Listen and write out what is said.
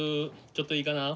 ちょっといいかな？